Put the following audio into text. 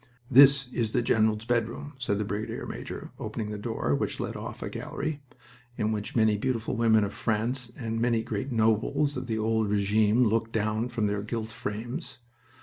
"This is the general's bedroom," said the brigade major, opening a door which led off a gallery, in which many beautiful women of France and many great nobles of the old regime looked down from their gilt frames.